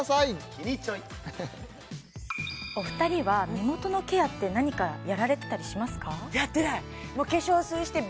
キニチョイお二人は目元のケアって何かやられてたりしますか？